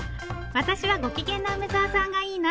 私はご機嫌な梅沢さんがいいな！